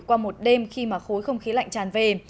qua một đêm khi mà khối không khí lạnh tràn về